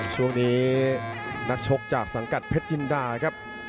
ช่วงนี้นักชกจากสังกัดเพชรจินดาครับ